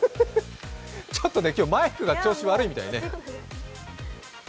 ちょっとね、今日マイクが調子悪いみたいですね。